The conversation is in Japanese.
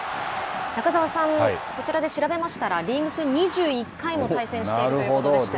中澤さん、こちらで調べましたらリーグ戦２１回も対戦しているということですね。